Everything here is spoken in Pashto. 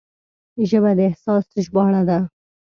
ژبه د احساس ژباړه ده